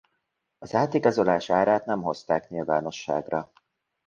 Az átigazolás árát nem hozták nyilvánosságra.